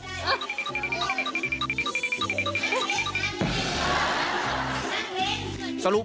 ด้วยก่อนเลยลูก